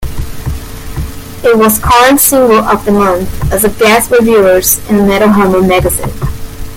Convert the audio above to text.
It was Korn's "Single of The Month" as guest reviewers in Metal Hammer magazine.